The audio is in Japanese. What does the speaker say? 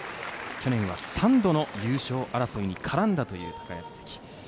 去年は３度の優勝争いに絡んだという高安関。